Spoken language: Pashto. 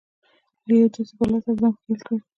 له يوې داسې بلا سره ځان ښکېل کړي.